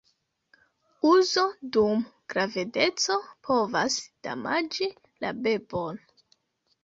Uzo dum gravedeco povas damaĝi la bebon.